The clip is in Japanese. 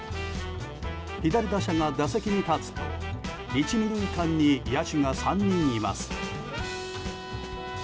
左打者が打席に立つと１、２塁間に野手が３人います。